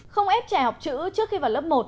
không ép trẻ học chữ trước khi vào lớp một